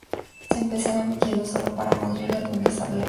Se empezará emitiendo solo para Madrid de lunes a viernes.